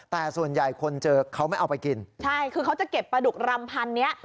แต่ส่วนใหญ่คนเจอเขาไม่เอาไปกินใช่คือเขาจะเก็บปลาดุกรำพันเนี้ย